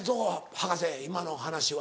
博士今の話は。